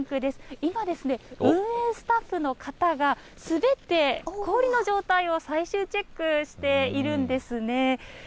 今ですね、運営スタッフの方が滑って、氷の状態を最終チェックしているんですね。